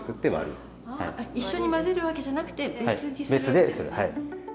一緒に混ぜるわけじゃなくて別にするんですね。